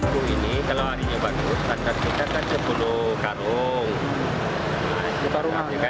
dulu ini kalau harinya bagus pada kita sepuluh karung